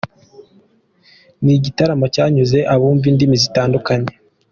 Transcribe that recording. Ni igitaramo cyanyuze abumva indimi zitandukanye.